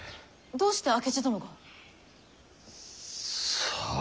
どうして明智殿が？さあ。